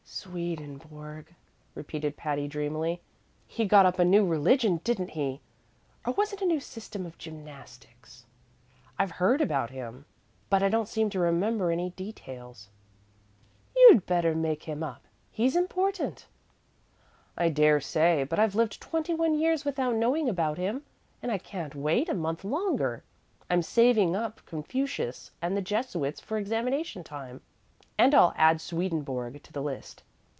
"Swedenborg," repeated Patty, dreamily. "He got up a new religion, didn't he? Or was it a new system of gymnastics? I've heard about him, but I don't seem to remember any details." "You'd better make him up; he's important." "I dare say; but I've lived twenty one years without knowing about him, and I can wait a month longer. I'm saving up Confucius and the Jesuits for examination time, and I'll add Swedenborg to the list."